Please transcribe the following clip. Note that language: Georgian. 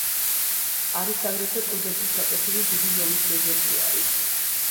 არის აგრეთვე კლდეში ჩაკვეთილი დიდი ზომის რეზერვუარი.